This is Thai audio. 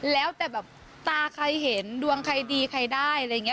แล้วแต่แบบตาใครเห็นดวงใครดีใครได้อะไรอย่างนี้